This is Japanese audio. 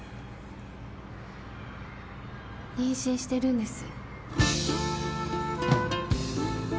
妊娠してるんです。